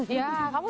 iya kamu suka berapa